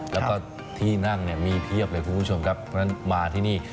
แล้วก็ที่นั่งเนี่ยมีเพียบเลยคุณผู้ชมครับเพราะฉะนั้นมาที่นี่